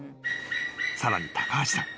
［さらに高橋さん。